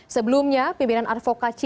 sebelumnya pimpinan arvoka cintasarapun